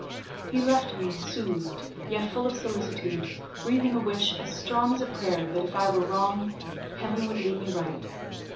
He left me soothed, yet full of solicitude, breathing a wish, as strong as a prayer, that if I were wrong, Heaven would lead me right.